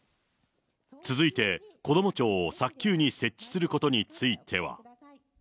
続いて、こども庁を早急に設置することについては。